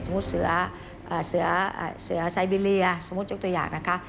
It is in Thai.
สมมุติเสือไซบิเลียสมมุติยกตัวอย่างนะคะ